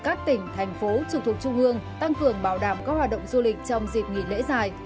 các tỉnh thành phố trực thuộc trung ương tăng cường bảo đảm các hoạt động du lịch trong dịp nghỉ lễ dài